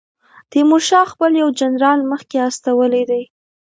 تیمورشاه خپل یو جنرال مخکې استولی دی.